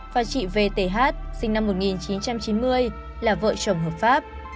và chị vth sinh năm một nghìn chín trăm chín mươi là vợ chồng hợp pháp